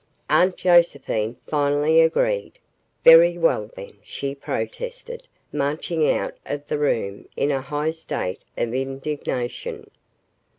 Aunt Josephine finally agreed. "Very well, then," she protested, marching out of the room in a high state of indignation.